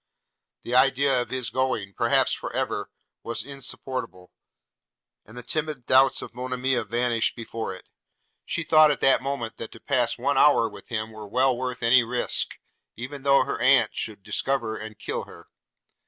The idea of his going, perhaps for ever, was insupportable, and the timid doubts of Monimia vanished before it. She thought at that moment, that to pass one hour with him were well worth any risk – even though her aunt should discover and kill her.